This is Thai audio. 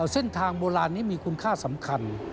เส้นทางโบราณนี้มีคุณค่าสำคัญ